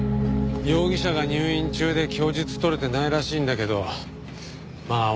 容疑者が入院中で供述取れてないらしいんだけどま